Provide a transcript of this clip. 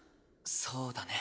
そうだね。